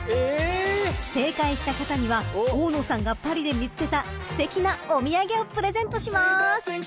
［正解した方には大野さんがパリで見つけたすてきなお土産をプレゼントします］